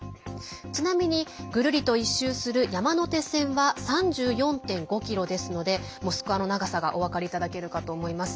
ちなみに、ぐるりと一周する山手線は３４．５ｋｍですのでモスクワの長さがお分かりいただけるかと思います。